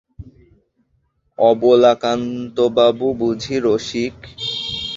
অবলাকান্তবাবু বুঝি– রসিক।